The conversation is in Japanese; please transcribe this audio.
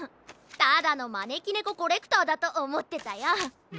ただのまねきねこコレクターだとおもってたよ。